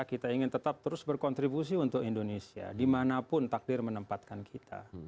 kita ingin tetap terus berkontribusi untuk indonesia dimanapun takdir menempatkan kita